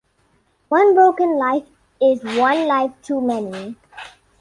One broken life is one life too many.